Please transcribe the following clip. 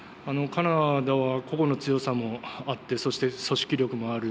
カナダは個々の強さもあってそして、組織力もある。